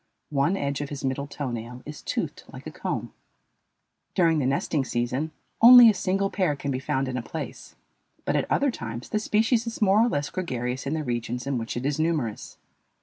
One edge of his middle toe nail is toothed like a comb. During the nesting season only a single pair can be found in a place, but at other times the species is more or less gregarious in the regions in which it is numerous.